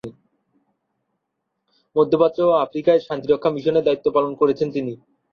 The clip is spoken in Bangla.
মধ্যপ্রাচ্য ও আফ্রিকায় শান্তিরক্ষা মিশনে দায়িত্ব পালন করেছেন তিনি।